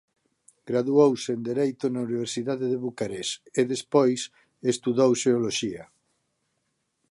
Graduouse en Dereito na Universidade de Bucarest e despois estudou xeoloxía.